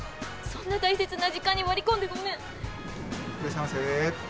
そんな大切な時間に割り込んでごめん。